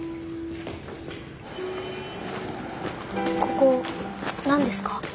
ここ何ですか？